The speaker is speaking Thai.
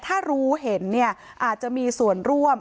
ถ้ารู้เห็นเนี่ยอาจจะมีส่วนร่วม